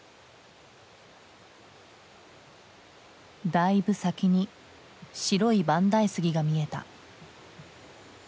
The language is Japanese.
だいぶ先に白い万代杉が見えた。